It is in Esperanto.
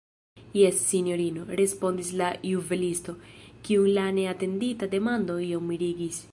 Jes, sinjorino, respondis la juvelisto, kiun la neatendita demando iom mirigis.